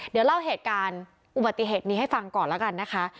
เดี๋ยวเล่าเหตุการณ์อุบัติเหตุนี้ให้ฟังก่อนแล้วกันนะคะ